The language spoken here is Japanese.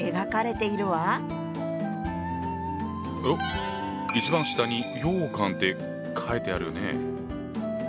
おっ一番下にようかんって書いてあるね。